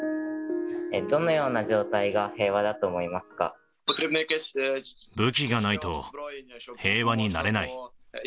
どのような状態が平和だと思武器がないと平和になれない。